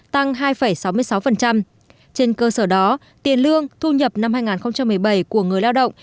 trên cơ sở đó tiền lương thu nhập năm hai nghìn một mươi bảy của người lao động